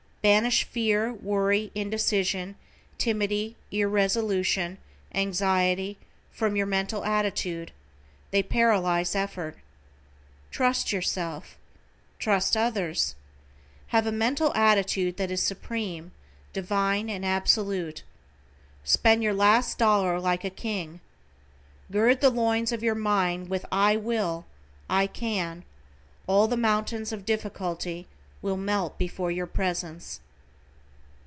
Banish fear, worry, indecision, timidity, irresolution, anxiety from your mental attitude, they paralyze effort. Trust yourself. Trust others. Have a mental attitude that is supreme, divine, and absolute. Spend your last dollar like a king. Gird the loins of your mind with "I WILL." "I CAN." All the mountains of difficulty will melt before your presence.